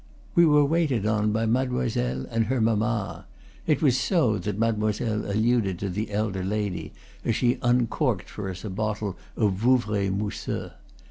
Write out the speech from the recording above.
We were waited on by mademoiselle and her mamma; it was so that mademoiselle alluded to the elder lady, as she uncorked for us a bottle of Vouvray mousseux.